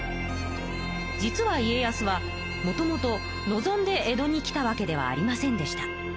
実は家康はもともと望んで江戸に来たわけではありませんでした。